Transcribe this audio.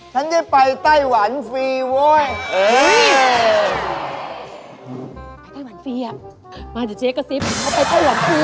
ฉันจะไปไต้หวันฟรีว่ะ